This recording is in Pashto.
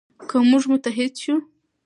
که موږ متحد شو.